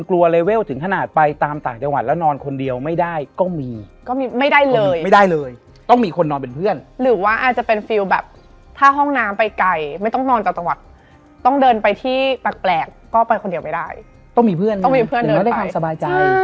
เพราะว่าก่อนหน้านี้เริ่มพูดจ้าปัดแปลกด้วย